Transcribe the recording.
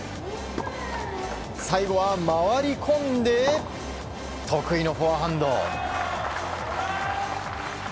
最後は回り込んで得意のフォアハンド。